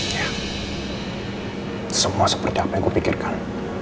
iya semua seperti apa yang gue pikirkan